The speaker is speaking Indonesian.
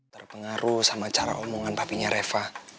terpengaruh sama cara omongan tapinya reva